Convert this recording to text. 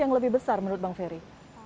yang lebih besar menurut bang ferry